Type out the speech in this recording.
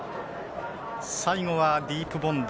最後はディープボンド。